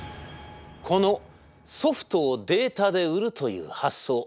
このソフトをデータで売るという発想